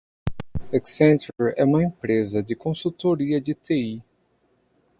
Accenture é uma empresa de consultoria de TI.